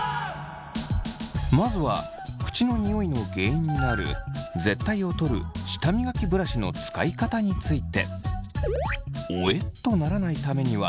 まずは口のニオイの原因になる舌苔を取る舌磨きブラシの使い方について。